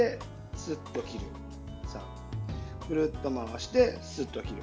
くるっと回して、すっと切る。